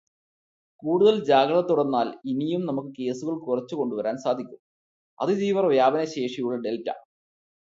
കൂടുതല് ജാഗ്രത തുടര്ന്നാല് ഇനിയും നമുക്ക് കേസുകള് കുറച്ച് കൊണ്ടുവരാന് സാധിക്കും.അതിതീവ്ര വ്യാപനശേഷിയുള്ള ഡെല്റ്റ